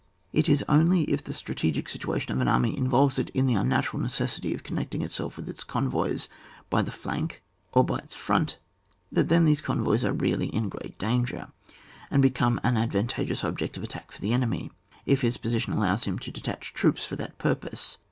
It is only if the strategic situation of an army involves it in the unnatural necessity of connecting itself with its convoys by the flank or by its front that then these convoys are really in great danger, and become an advantageous object of attack for the enemy, if his position allows him to detach troops for that purpose.